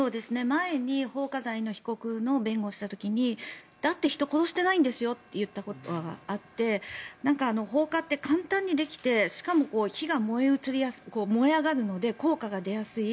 前に放火罪の被告の弁護をした時にだって人を殺してないんですよと言ったことはあって放火って簡単にできてしかも火が燃え上がるので効果が出やすい。